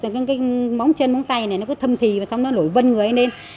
những cái móng chân móng tay này nó cứ thâm thì và xong nó nổi vân người ấy lên